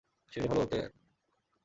মেরে ফেল ওকে।